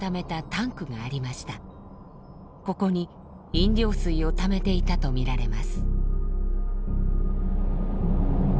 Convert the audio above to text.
ここに飲料水をためていたとみられます。